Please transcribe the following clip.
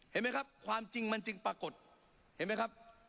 เห็นไหมครับความจริงมันจึงปรากฏเห็นไหมครับ